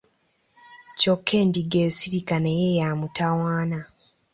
Kyokka Endiga esirika naye ya mutawaana.